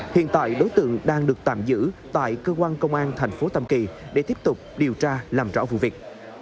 hiện tại đối tượng đang được tạm giữ tại cơ quan công an tp tâm kỳ để tiếp tục điều tra làm rõ vụ việc